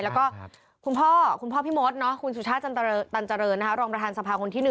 แล้วก็คุณพ่อคุณพ่อพี่มดคุณสุชาติตันเจริญรองประธานสภาคนที่๑